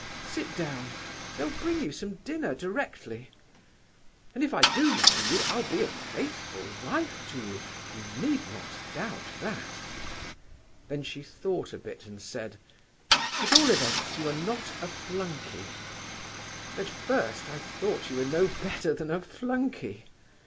Sit down; they'll bring you some dinner directly. And if I do marry you, I'll be a faithful wife to you—you need not doubt that.' Then she thought a bit, and said, 'At all events, you are not a flunkey; at first, I thought you were no better than a flunkey.